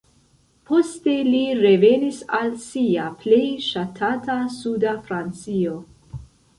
Poste li revenis al sia plej ŝatata suda Francio.